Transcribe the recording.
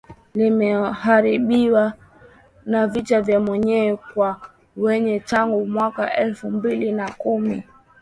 limeharibiwa na vita vya wenyewe kwa wenyewe tangu mwaka elfu mbili na kumi